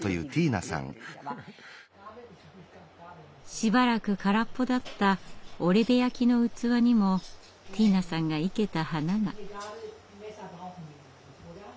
しばらく空っぽだった織部焼の器にもティーナさんが生けた花が。